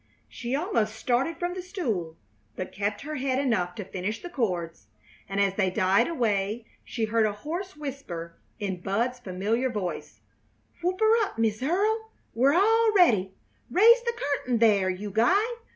She almost started from the stool, but kept her head enough to finish the chords, and as they died away she heard a hoarse whisper in Bud's familiar voice: "Whoop her up, Miss Earle. We're all ready. Raise the curtain there, you guy.